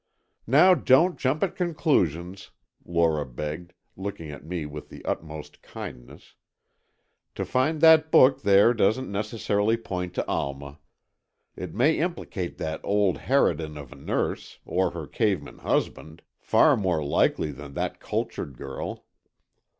"Now, don't jump at conclusions," Lora begged, looking at me with the utmost kindness, "To find that book there doesn't necessarily point to Alma. It may implicate that old harridan of a nurse or her caveman husband. Far more likely than that cultured girl!"